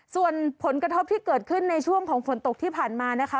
ส่วนผลกระทบที่เกิดขึ้นในช่วงของฝนตกที่ผ่านมานะคะ